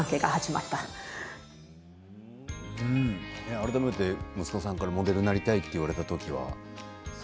改めて息子さんからモデルになりたいって言われた時は。